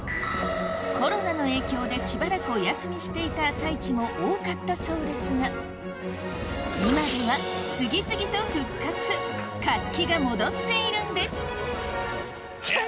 コロナの影響でしばらくお休みしていた朝市も多かったそうですが今では次々と復活活気が戻っているんです